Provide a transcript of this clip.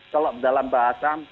kalau dalam bahasa